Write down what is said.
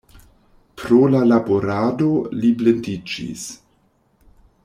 Pro la laborado li blindiĝis.